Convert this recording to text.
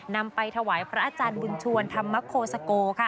นำไปถวายพระอาจารย์บุญชวนธรรมโคสโกค่ะ